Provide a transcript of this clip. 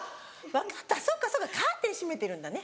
分かったそっかそっかカーテン閉めてるんだね。